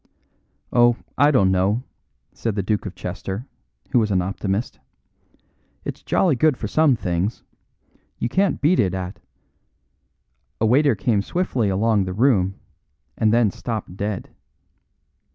"Oh, I don't know," said the Duke of Chester, who was an optimist, "it's jolly good for some things. You can't beat it at " A waiter came swiftly along the room, and then stopped dead.